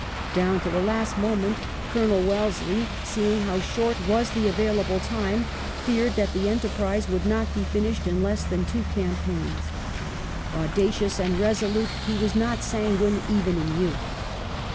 Down to the last moment Colonel Wellesley, seeing how short was the available time, feared that the enterprise would not be finished in less than two campaigns. Audacious and resolute, he was not sanguine, even in youth.